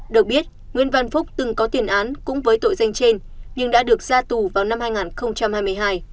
được biết nguyễn văn phúc từng có tiền án cũng với tội danh trên nhưng đã được ra tù vào năm hai nghìn hai mươi hai